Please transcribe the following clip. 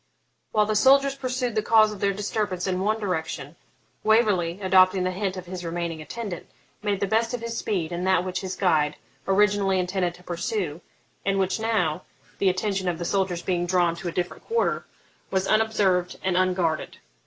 While the soldiers pursued the cause of their disturbance in one direction, Waverley, adopting the hint of his remaining attendant, made the best of his speed in that which his guide originally intended to pursue, and which now (the attention of the soldiers being drawn to a different quarter) was unobserved and unguarded.